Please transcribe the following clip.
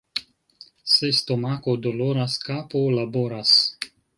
Se stomako doloras, kapo laboras.